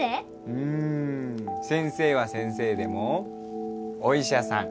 うん先生は先生でもお医者さん。